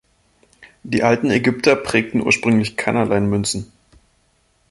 Die alten Ägypter prägten ursprünglich keinerlei Münzen.